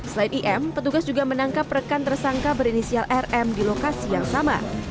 selain im petugas juga menangkap rekan tersangka berinisial rm di lokasi yang sama